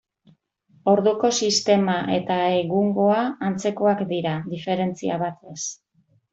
Orduko sistema eta egungoa antzekoak dira, diferentzia batez.